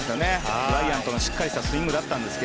ブライアントのしっかりしたスイングだったんですが。